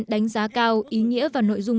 đánh giá cao ý nghĩa và nội dung